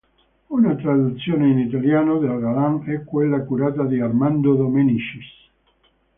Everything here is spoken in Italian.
Una traduzione in italiano del Galland è quella curata da Armando Dominicis.